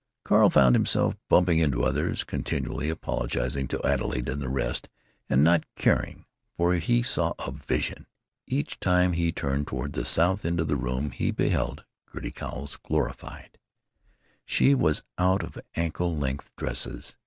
Carl found himself bumping into others, continually apologizing to Adelaide and the rest—and not caring. For he saw a vision! Each time he turned toward the south end of the room he beheld Gertie Cowles glorified. She was out of ankle length dresses!